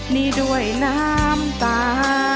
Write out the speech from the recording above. นี่ด้วยน้ำตา